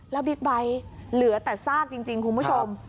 แล้วบิ๊กไบท์เหลือแต่ซากจริงคุณผู้ชม